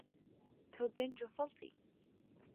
تۆ گەنج و سەڵتی.